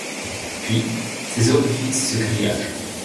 Puis, ces orifices se grillagent.